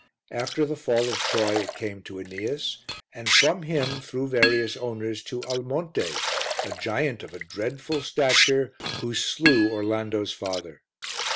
After the fall of Troy it came to AEneas; and from him, through various owners, to Almonte, a giant of a dreadful stature, who slew Orlando's father.